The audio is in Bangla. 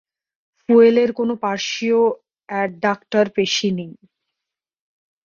ফুয়েলের কোনো পার্শ্বীয় অ্যাডডাকটর পেশী নেই।